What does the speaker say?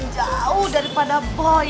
jauh daripada boy